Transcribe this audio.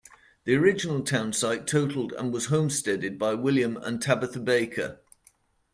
The original townsite totaled and was homesteaded by William and Tabitha Baker.